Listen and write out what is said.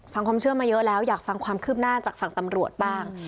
ฟังความเชื่อมาเยอะแล้วอยากฟังความคืบหน้าจากฝั่งตำรวจบ้าง